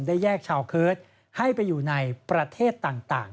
แยกชาวเคิร์ตให้ไปอยู่ในประเทศต่าง